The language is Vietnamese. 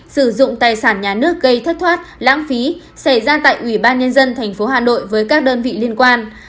sử dụng tài sản nhà nước gây thất thoát lãng phí xảy ra tại ubnd tp hà nội với các đơn vị liên quan